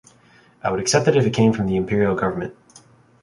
I would accept it if it came from the imperial government.